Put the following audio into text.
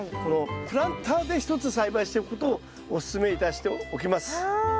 プランターで一つ栽培しておくことをおすすめいたしておきます。